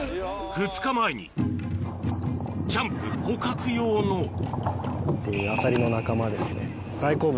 ２日前にチャンプ捕獲用のアサリの仲間ですね。